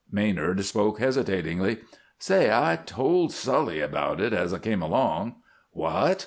Maynard spoke hesitatingly. "Say, I told Sully about it as I came along." "What!"